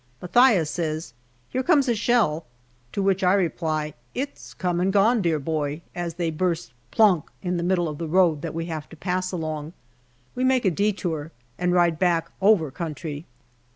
Mathias says, " Here comes a shell," to which I reply, " It's come and gone, dear boy," as they burst " plonk " in the middle of the road that we have to pass along. We make a detour and ride back over country.